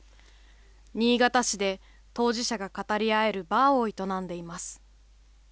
新潟市で当事者が語り合えるバーを営んでいます。